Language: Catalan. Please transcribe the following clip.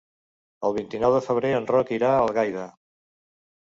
El vint-i-nou de febrer en Roc irà a Algaida.